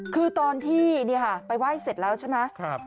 คือตอนที่ไปไหว้เสร็จแล้วใช่ไหม